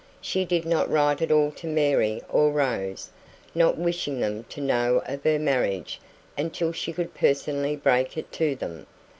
She did not write at all to Mary or Rose, not wishing them to know of her marriage until she could personally 'break it' to them.